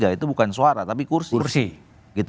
itu bukan suara tapi kursi